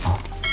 tiga hari ini